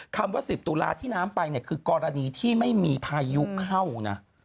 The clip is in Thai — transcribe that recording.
คำว่า๑๐ตุลาที่น้ำไปเนี่ยคือกรณีที่ไม่มีพายุเข้านะ